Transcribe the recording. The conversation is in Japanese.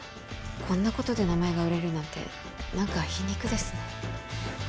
こんなことで名前が売れるなんて何か皮肉ですね